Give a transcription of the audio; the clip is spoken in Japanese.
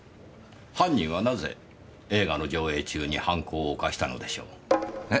犯人はなぜ映画の上映中に犯行を犯したのでしょう。え？